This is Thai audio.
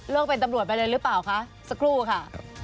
เป็นตำรวจไปเลยหรือเปล่าคะสักครู่ค่ะ